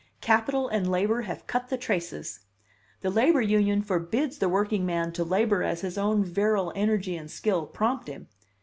Capital and labor have cut the traces. The labor union forbids the workingman to labor as his own virile energy and skill prompt him.